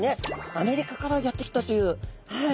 アメリカからやって来たというはい。